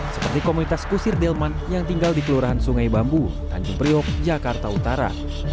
seperti komunitas kusir delman yang tinggal di kelurahan sungai bambu tanjung priok jakarta utara